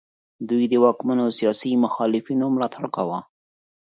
دوی د واکمنانو سیاسي مخالفینو ملاتړ کاوه.